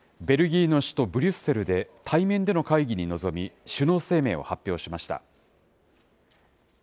ベルギーの首都ブリュッセルで対面での会議に臨み、首脳声明を発表しました。